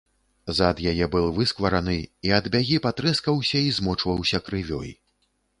Зад яе быў высквараны і ад бягі патрэскаўся і змочваўся крывёй.